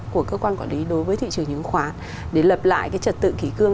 của cơ quan quản lý đối với thị trường chứng khoán để lập lại cái trật tự kỷ cương